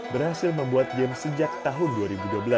berhasil membuat game sejak tahun dua ribu dua belas